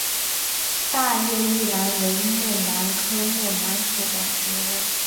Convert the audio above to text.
大叶玉兰为木兰科木兰属的植物。